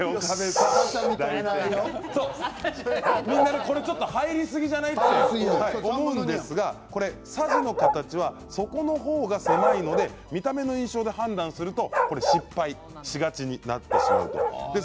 皆さん入りすぎじゃない？と思うんですがさじの形は底の方が狭いので見た目の印象で判断すると失敗しがちになってしまうということなんです。